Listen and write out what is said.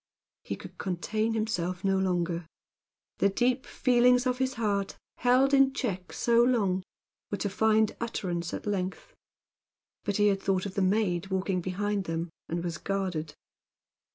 He could contain himself no longer. The deep feelings of his heart, held in check so long, were to find utterance at length. But he had a thought of the maid walking behind them, and was guarded.